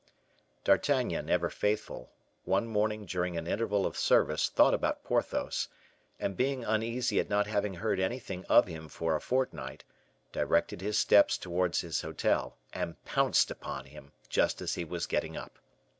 D'Artagnan, ever faithful, one morning during an interval of service thought about Porthos, and being uneasy at not having heard anything of him for a fortnight, directed his steps towards his hotel, and pounced upon him just as he was getting up.